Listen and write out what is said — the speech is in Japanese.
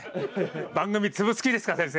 番組潰す気ですか先生。